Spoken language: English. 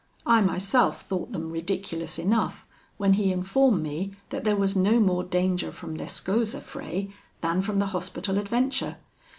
I myself thought them ridiculous enough, when he informed me that there was no more danger from Lescaut's affray, than from the Hospital adventure.